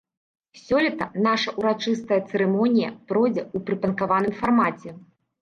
Сёлета наша ўрачыстая цырымонія пройдзе ў прыпанкаваным фармаце!